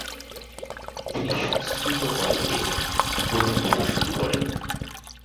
তিনি সংস্কৃত কলেজে অধ্যাপনা শুরু করেন।